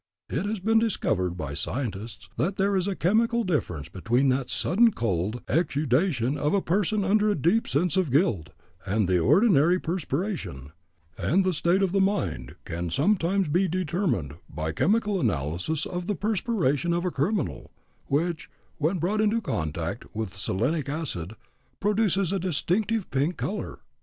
It has been discovered by scientists that there is a chemical difference between that sudden cold exudation of a person under a deep sense of guilt and the ordinary perspiration; and the state of the mind can sometimes be determined by chemical analysis of the perspiration of a criminal, which, when brought into contact with selenic acid, produces a distinctive pink color.